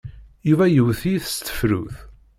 Yuba iwet-iyi s tefrut.